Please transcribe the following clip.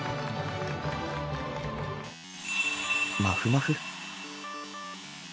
まふまふ？